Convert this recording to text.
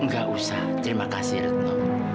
gak usah terima kasih allah